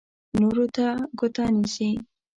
نورو ته ګوته نیسي.